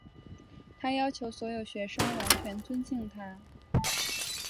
她要求所有学生完全尊敬她。